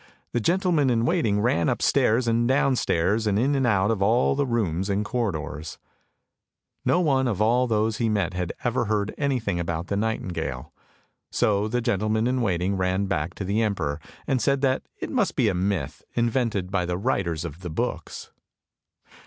The gentleman in waiting ran upstairs and downstairs and in and out of all the rooms and corridors. THE NIGHTINGALE 129 No one of all those he met had ever heard anything about the nightingale; so the gentleman in waiting ran back to the emperor, and said that it must be a myth, invented by the writers of the books.